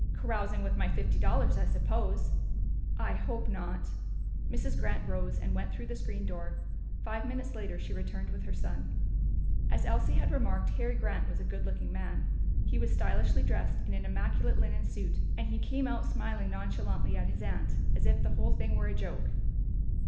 "Carousing with my fifty dollars, I suppose." "I hope not." Mrs. Grant rose and went through the screen door. Five minutes later she returned with her son. As Elsie had remarked, Harry Grant was a good looking man. He was stylishly dressed, in an immaculate linen suit, and he came out smiling nonchalantly at his aunt, as if the whole thing were a joke.